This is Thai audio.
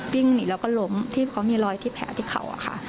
วิ่งหนีแล้วก็ล้มที่เขามีรอยที่แผลที่เขาอะค่ะ